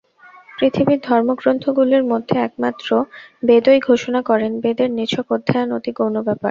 পৃথিবীর ধর্মগ্রন্থগুলির মধ্যে একমাত্র বেদই ঘোষণা করেন, বেদের নিছক অধ্যয়ন অতি গৌণ ব্যাপার।